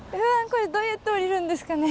これどうやって降りるんですかね。